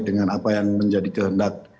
dengan apa yang menjadi kehendak